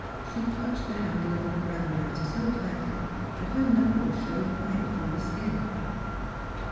She clutched the handle of the perambulator so tightly that her knuckles showed white through the skin.